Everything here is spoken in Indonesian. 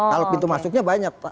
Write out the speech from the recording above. kalau pintu masuknya banyak